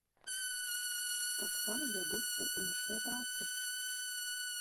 Таксама вядуцца іншыя працы.